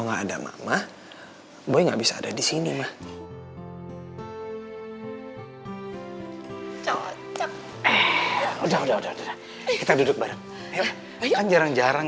nggak ada mama gue nggak bisa ada di sini mah cocok udah udah kita duduk bareng kan jarang jarang